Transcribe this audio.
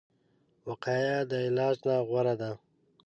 وقایه د علاج نه غوره ده